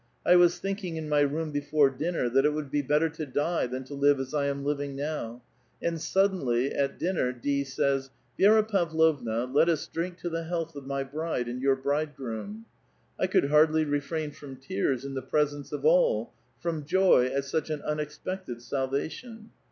I was tliink ing, in ray room, before dinner, that it would be better to die than to live as 1 am living now ; and suddenly, at dinner, 1). Bays :' Vi6ra Pavlovna, let us drink to the health of my bride and your bridegroom.' I could hardly refrain from tears, in the presence of all, from joy at such an unexpected salvation.